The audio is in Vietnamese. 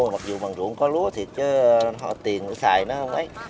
mặc dù bằng ruộng có lúa thì chứ tiền nó xài nó không mấy